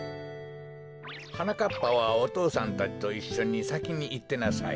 はなかっぱはお父さんたちといっしょにさきにいってなさい。